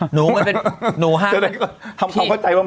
หนูมันเป็นหนูห้าม